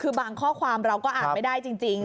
คือบางข้อความเราก็อ่านไม่ได้จริง